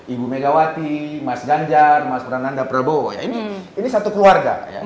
ibu megawati mas ganjar mas prananda prabowo ya ini satu keluarga